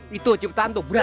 buat anak dalam kubur